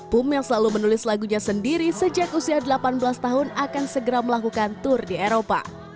pum yang selalu menulis lagunya sendiri sejak usia delapan belas tahun akan segera melakukan tour di eropa